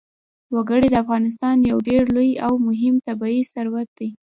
وګړي د افغانستان یو ډېر لوی او مهم طبعي ثروت دی.